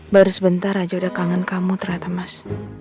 baru sebentar aja udah kangen kamu ternyata mas